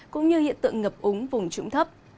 cũng như hiện tượng ngập úng vùng trũng thấp